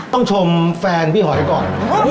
ต้องชมแฟนพี่หอยก่อน